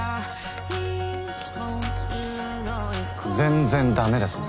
全然だめですね。